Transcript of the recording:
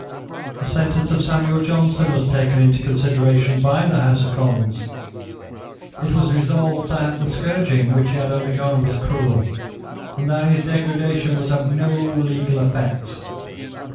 The sentence of Samuel Johnson was taken into consideration by the House of Commons. It was resolved that the scourging which he had undergone was cruel, and that his degradation was of no legal effect.